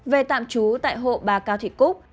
về tạm trú tại hộ bà cao thị cúc